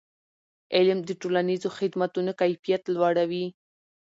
علم د ټولنیزو خدمتونو کیفیت لوړوي.